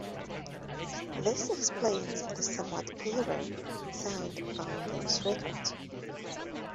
This explains the somewhat "clearer" sound on those records.